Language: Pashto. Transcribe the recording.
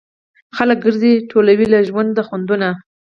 خلک ګرځي ټولوي له ژوند خوندونه